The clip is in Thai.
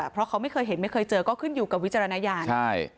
เพราะเขาไม่เคยเห็นไม่เคยเจอก็ขึ้นอยู่กับวิจารณญาณใช่